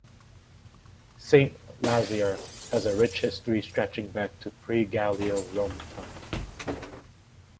Saint-Lizier has a rich history stretching back to pre Gallo-Roman times.